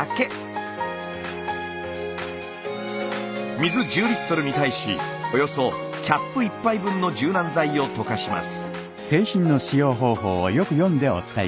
水１０リットルに対しおよそキャップ１杯分の柔軟剤を溶かします。